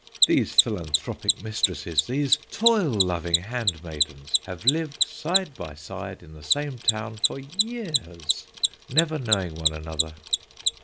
These philanthropic mistresses, these toil loving hand maidens, have lived side by side in the same town for years, never knowing one another.